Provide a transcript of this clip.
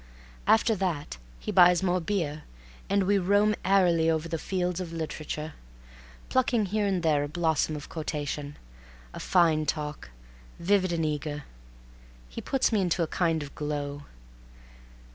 After that he buys more beer, and we roam airily over the fields of literature, plucking here and there a blossom of quotation. A fine talk, vivid and eager. It puts me into a kind of glow.